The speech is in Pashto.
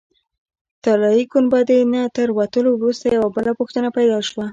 طلایي ګنبدې نه تر وتلو وروسته یوه بله پوښتنه پیدا شوه.